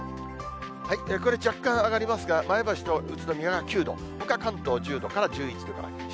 これ、若干上がりますが、前橋と宇都宮が９度、ほか、関東１０度から１１度くらい。